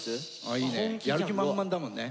いいねやる気満々だもんね。